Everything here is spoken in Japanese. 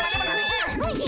おじゃ。